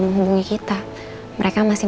menghubungi kita mereka masih